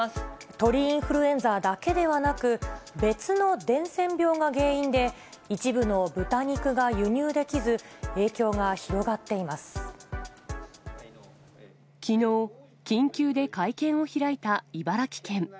鳥インフルエンザだけではなく、別の伝染病が原因で、一部の豚肉が輸入できず、影響が広がっきのう、緊急で会見を開いた茨城県。